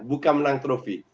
bukan menang trofi